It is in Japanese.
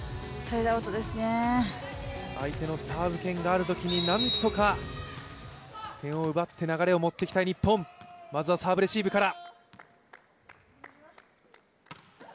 相手のサーブ権があるときに、何とか点を奪って流れを持っていきたい日本、まずはサーブレシーブから。